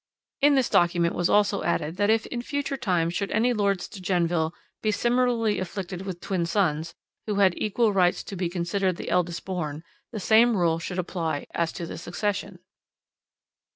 "In this document was also added that if in future times should any Lords de Genneville be similarly afflicted with twin sons, who had equal rights to be considered the eldest born, the same rule should apply as to the succession.